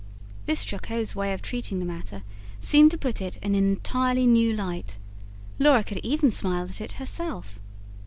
This jocose way of treating the matter seemed to put it in an entirely new light; Laura could even smile at it herself.